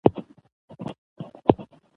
ور روان پسي آسونه او پوځیان کړی